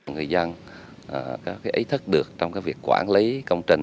người dân có ý thức được trong việc quản lý công trình